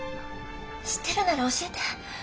知ってるなら教えて。